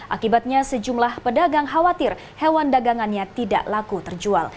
akibatnya sejumlah pedagang khawatir hewan dagangannya tidak laku terjual